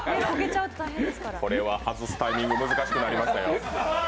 これは外すタイミング、難しくなりましたよ。